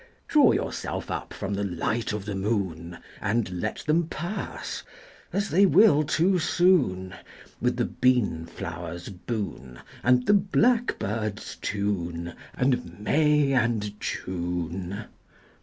Draw yourself up from the light of the moon, And let them pass, as they will too soon, 10 With the bean flowers' boon, And the blackbird's tune, And May, and June!